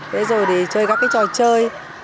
rồi thì chơi các trò chơi